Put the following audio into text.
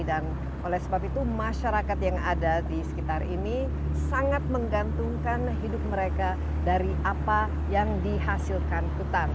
dan oleh sebab itu masyarakat yang ada di sekitar ini sangat menggantungkan hidup mereka dari apa yang dihasilkan hutan